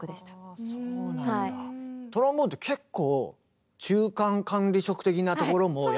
トロンボーンって結構中間管理職的なところも。